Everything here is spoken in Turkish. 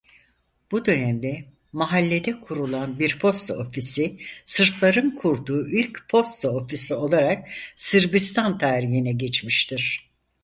Bu dönemde mahallede kurulan bir posta ofisi Sırpların kurduğu ilk posta ofisi olarak Sırbistan tarihine geçmiştir.